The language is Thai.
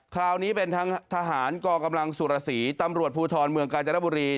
คราวนี้เป็นทั้งทหารกองกำลังสุรสีตำรวจภูทรเมืองกาญจนบุรี